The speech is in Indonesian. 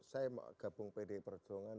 saya gabung pd perjuangan dua ribu empat